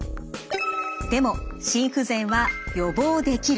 でも心不全は予防できる。